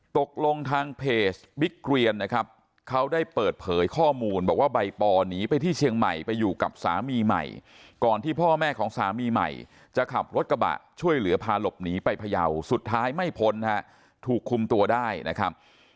ตกลงทางเพจบิ๊กเกรียนนะครับเขาได้เปิดเผยข้อมูลบอกว่าใบปอหนีไปที่เชียงใหม่ไปอยู่กับสามีใหม่ก่อนที่พ่อแม่ของสามีใหม่จะขับรถกระบะช่วยเหลือพาหลบหนีไปพยาวสุดท้ายไม่พ้นนะฮะถูกคุมตัวได้นะครับ